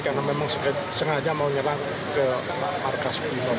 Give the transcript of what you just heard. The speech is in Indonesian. karena memang sengaja mau nyerang ke arkas bimor